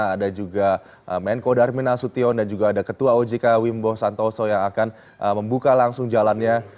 ada juga menko darmin nasution dan juga ada ketua ojk wimbo santoso yang akan membuka langsung jalannya